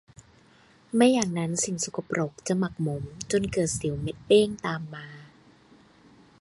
ไม่อย่างนั้นสิ่งสกปรกจะหมักหมมจนเกิดสิวเม็ดเป้งตามมา